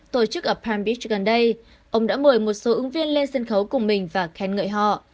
tổ chức ở palm beach gần đây ông đã mời một số ứng viên lên sân khấu cùng mình và khen ngợi họ